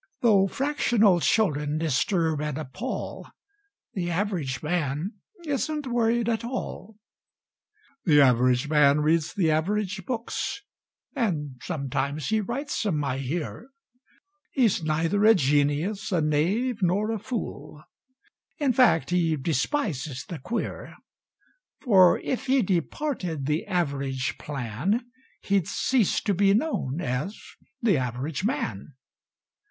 (Though fractional children disturb and appal, The Average Man isn't worried at all.)The Average Man reads the average books, And sometimes he writes 'em, I hear; He's neither a genius, a knave, nor a fool, In fact he despises the queer; For if he departed the Average PlanHe'd cease to be known as the Average Man.